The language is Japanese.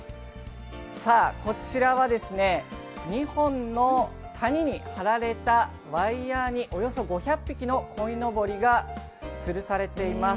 こちらはですね、２本の谷にはられたワイヤーにおよそ５００匹のこいのぼりがつるされています。